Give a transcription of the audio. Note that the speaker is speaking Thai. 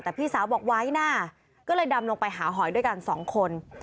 แต่พี่สาวบอกไว้นะก็เลยดำลงไปหาหอยด้วยกันสองคน